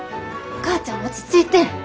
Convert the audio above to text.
お母ちゃん落ち着いて！